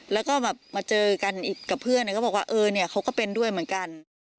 แล้วก็แบบมาเจอกันอีกกับเพื่อนก็บอกว่าเออเนี่ยเขาก็เป็นด้วยเหมือนกัน